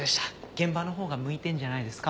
現場のほうが向いてんじゃないですか？